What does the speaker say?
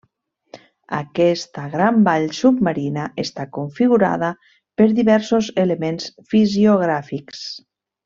Aquesta gran vall submarina està configurada per diversos elements fisiogràfics.